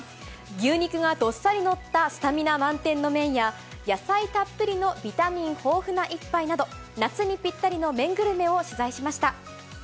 牛肉がどっさり載ったスタミナ満点の麺や、野菜たっぷりのビタミン豊富な一杯など、夏にぴったりの麺グルメ